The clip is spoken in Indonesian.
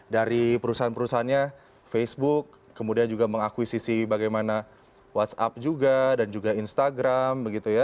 dari perusahaan perusahaannya facebook kemudian juga mengakuisisi bagaimana whatsapp juga dan juga instagram begitu ya